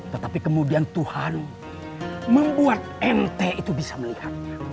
tetapi kemudian tuhan membuat mt itu bisa melihatnya